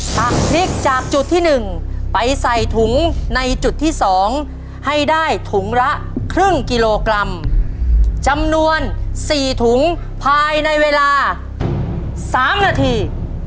ผักพริกจากจุดที่๑ไปใส่ถุงในจุดที่๒ให้ได้ถุงละครึ่งกิโลกรัมจำนวน๔ถุงภายในเวลา๓นาที